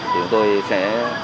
thì tôi sẽ